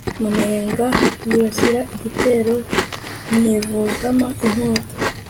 Minega yibasira igitero nkivuzamo inkota